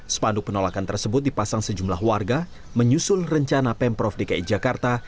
sepanduk penolakan tersebut dipasang sejumlah warga menyusul rencana pemprov dki jakarta